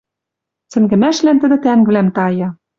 Сӹнгӹмӓшлӓн тӹдӹ тӓнгвлӓм тая